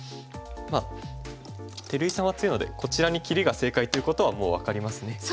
まあ照井さんは強いのでこちらにキリが正解ということはもう分かりますね。